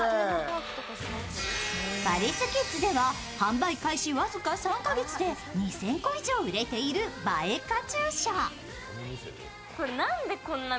パリスキッズでは販売開始僅か３か月で２０００個以上売れている映えカチューシャ。